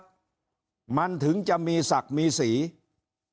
ทำไมจะมีศักดิ์มีศีลธิ์